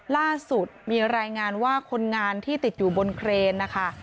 ล่าสุดมีรายงานว่าคนงานที่ติดอยู่บนเครนนะคะ